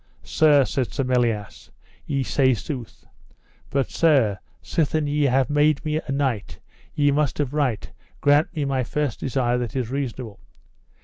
Sir, said Sir Melias, ye say sooth. But, sir, sithen ye have made me a knight ye must of right grant me my first desire that is reasonable.